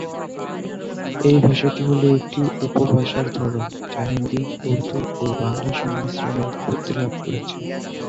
এই ভাষাটি হলো একটি উপভাষার ধরন, যা হিন্দি, উর্দু ও বাংলার মিশ্রণে উৎপত্তি লাভ করেছে।